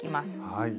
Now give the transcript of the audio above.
はい。